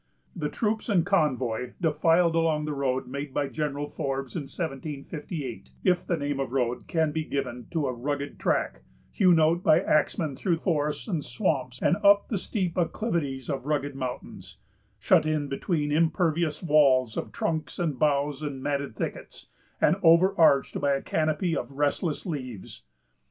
The troops and convoy defiled along the road made by General Forbes in 1758, if the name of road can be given to a rugged track, hewn out by axemen through forests and swamps and up the steep acclivities of rugged mountains; shut in between impervious walls of trunks, boughs, and matted thickets, and overarched by a canopy of restless leaves.